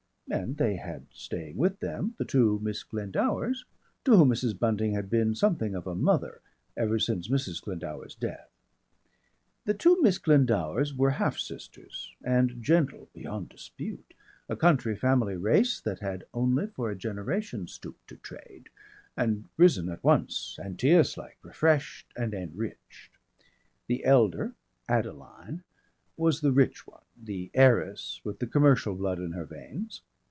And they had staying with them the two Miss Glendowers, to whom Mrs. Bunting had been something of a mother, ever since Mrs. Glendower's death. The two Miss Glendowers were half sisters, and gentle beyond dispute, a county family race that had only for a generation stooped to trade, and risen at once Antæus like, refreshed and enriched. The elder, Adeline, was the rich one the heiress, with the commercial blood in her veins.